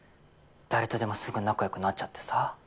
誰とでもすぐ仲良くなっちゃってさ。